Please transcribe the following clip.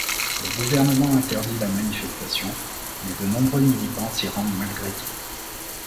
Le gouvernement interdit la manifestation mais de nombreux militants s'y rendent malgré tout.